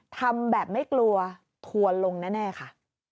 ทำแบบไม่กลัวทัวร์ลงแน่ค่ะ